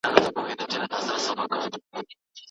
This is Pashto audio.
قرآن کريم د ميرمنو د نفقې په اړه څه وايي؟